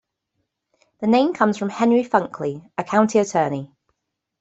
The name comes from Henry Funkley, a county attorney.